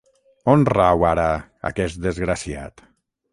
On rau, ara, aquest desgraciat?